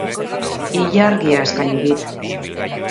Ilargia eskaini dit.